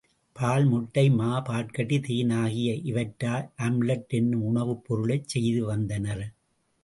பால், முட்டை, மா, பாற்கட்டி, தேன் ஆகிய இவற்றால் ஆம்லட் என்னும் உணவுப் பொருளைச் செய்து வந்தனர்.